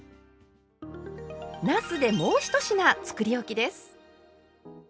なすでもう１品つくりおきです。